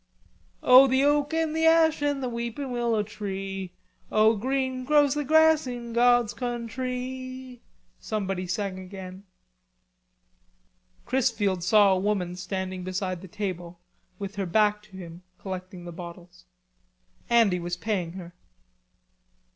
"O the oak and the ash and the weeping willow tree, O green grows the grass in God's countree!" somebody sang again. Chrisfield saw a woman standing beside the table with her back to him, collecting the bottles. Andy was paying her.